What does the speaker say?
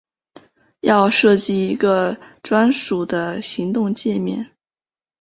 要设计一个专属的行动介面